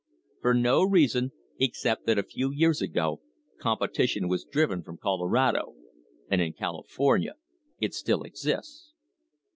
For no reason except that a few years ago competition was driven from Colorado, and in California it still exists.